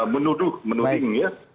menuduh menuding ya